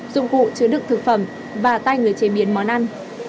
dụng cụ chứa đựng thực phẩm và tay người chế biến món ăn